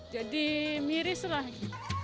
jadi miris lagi